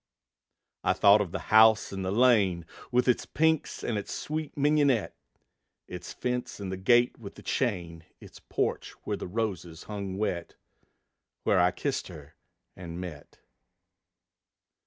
I thought of the house in the lane, With its pinks and its sweet mignonette; Its fence and the gate with the chain, Its porch where the roses hung wet, Where I kissed her and met.